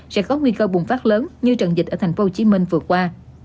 sẽ có nguy cơ bùng phát lớn như trận dịch ở thành phố hồ chí minh vừa qua